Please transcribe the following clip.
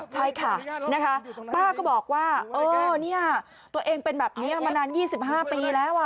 ใช่ค่ะป้าก็บอกว่าตัวเองเป็นแบบนี้มานาน๒๕ปีแล้ว